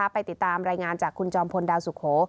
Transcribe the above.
ไปติดตามรายงานจากคุณจอมพลดาวสุโข